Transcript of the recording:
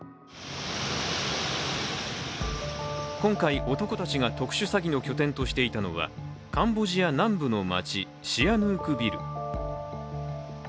今回、男たちが特殊詐欺の拠点としていたのはカンボジア南部の街、シアヌークビル。